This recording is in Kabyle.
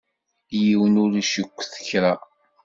Yiwen ur icukket kra.